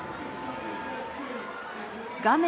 画面